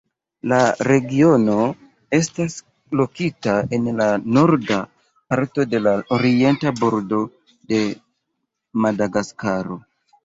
La regiono estas lokita en la norda parto de la orienta bordo de Madagaskaro.